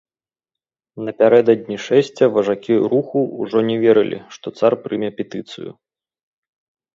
Напярэдадні шэсця важакі руху ўжо не верылі, што цар прыме петыцыю.